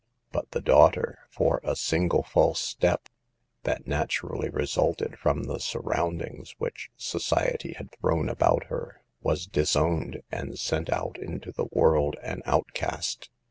But the daughter, for a single false step, that naturally resulted from the surroundings which society had thrown about her, was disowned and sent out into the world an outcast.